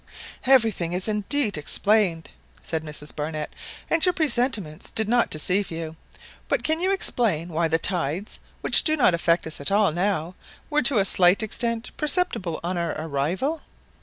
"Everything is indeed explained," said Mrs Barnett, "and your presentiments did not deceive you; but can you explain why the tides, which do not affect us at all now, were to a slight extent perceptible on our arrival?"